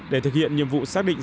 để thực hiện nhiệm vụ xác định